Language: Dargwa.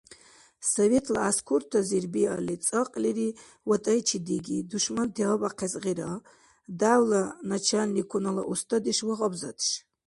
Советла гӀяскуртазир биалли цӀакьлири ВатӀайчи диги, душманти гьабяхъес гъира, дявла начальникунала устадеш ва гъабзадеш.